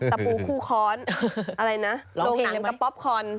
ตะปูคู่ค้อนอะไรนะโรงหนังกระป๊อปคอน